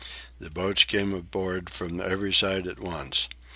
The boats came aboard from every side at once.